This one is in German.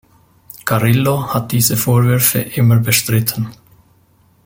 Carrillo hat diese Vorwürfe immer bestritten.